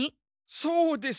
そうです。